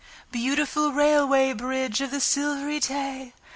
Beautiful Railway Bridge of the Silvery Tay!